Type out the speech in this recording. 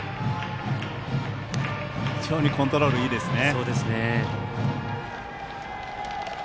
非常にコントロールいいですね。